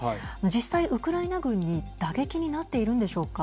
実際、ウクライナ軍に打撃になっているんでしょうか。